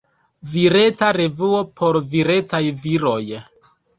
Vireca revuo por virecaj viroj.